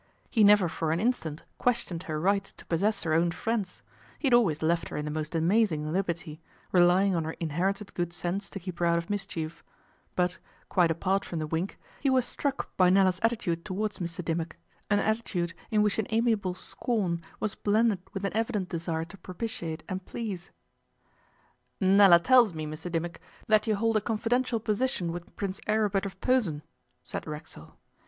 He never for an instant questioned her right to possess her own friends; he had always left her in the most amazing liberty, relying on her inherited good sense to keep her out of mischief; but, quite apart from the wink, he was struck by Nella's attitude towards Mr Dimmock, an attitude in which an amiable scorn was blended with an evident desire to propitiate and please. 'Nella tells me, Mr Dimmock, that you hold a confidential position with Prince Aribert of Posen,' said Racksole.